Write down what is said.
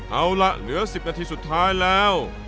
เอาล่ะเหลือ๑๐นาทีสุดท้ายแล้ว